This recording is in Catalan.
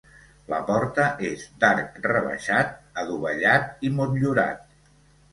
La porta és d'arc rebaixat, adovellat i motllurat.